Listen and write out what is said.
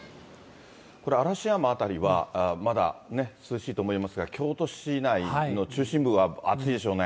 これ、嵐山辺りはまだ涼しいと思いますが、京都市内の中心部は暑いでしょうね。